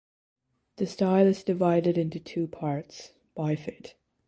The style is divided into two parts (bifid).